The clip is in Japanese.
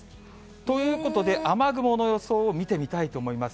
ということで、雨雲の予想を見てみたいと思います。